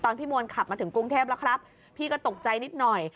พี่มวลขับมาถึงกรุงเทพแล้วครับพี่ก็ตกใจนิดหน่อย